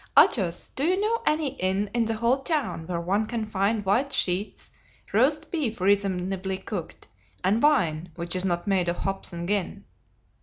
Athos, do you know any inn in the whole town where one can find white sheets, roast beef reasonably cooked, and wine which is not made of hops and gin?"